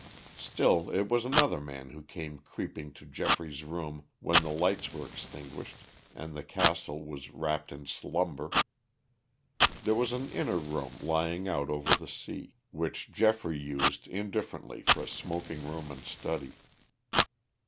Still, it was another man who came creeping to Geoffrey's room when the lights were extinguished and the castle was wrapped in slumber. There was an inner room lying out over the sea, which Geoffrey used indifferently for a smoking room and study.